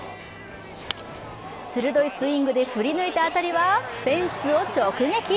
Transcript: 鋭いスイングで振り抜いた当たりはフェンスを直撃。